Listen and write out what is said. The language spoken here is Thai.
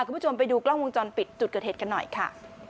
คุณผู้ชมไปดูกล้องวงจรปิดจุดเกิดเหตุกันหน่อยค่ะ